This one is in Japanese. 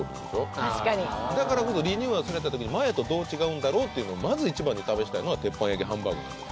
確かにだからこそリニューアルされた時に前とどう違うんだろうというのをまず一番に試したいのは鉄板焼ハンバーグなんですよ